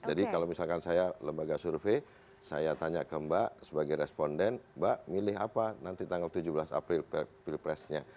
jadi kalau misalkan saya lembaga survei saya tanya ke mbak sebagai responden mbak milih apa nanti tanggal tujuh belas april pilpresnya